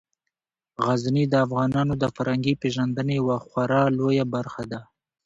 غزني د افغانانو د فرهنګي پیژندنې یوه خورا لویه برخه ده.